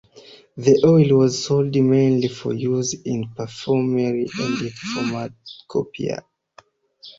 The oil was sold mainly for use in perfumery and pharmacopoeia.